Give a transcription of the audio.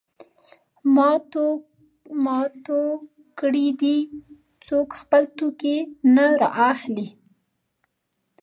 ما تو کړی دی؛ څوک خپل توکی نه رااخلي.